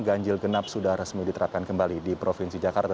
ganjil genap sudah resmi diterapkan kembali di provinsi jakarta